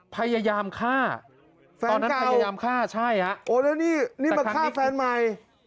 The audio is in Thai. พยายามฆ่าแฟนกล้าพยายามฆ่าใช่ฮะโอ้แล้วนี่นี่มาฆ่าแฟนใหม่